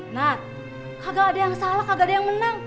nah kagak ada yang salah kagak ada yang menang